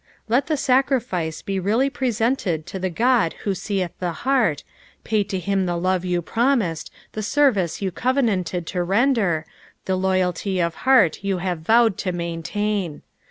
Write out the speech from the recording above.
Let the Bacriflce be really presented to the Qod who seeth the heart, pay to him the lOTQ yuu promised, the service you covenanted to render, the loyalty of heart you have vowed to maintain.